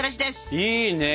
いいね。